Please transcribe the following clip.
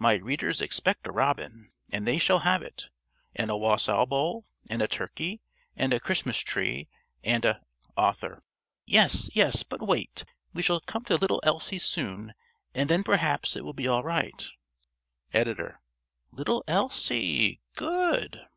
My readers expect a robin, and they shall have it. And a wassail bowl, and a turkey, and a Christmas tree, and a _ ~Author.~ Yes, yes; but wait. We shall come to little Elsie soon, and then perhaps it will be all right. ~Editor.~ _Little Elsie. Good!